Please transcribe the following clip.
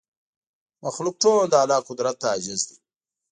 مخلوق ټول د الله قدرت ته عاجز دی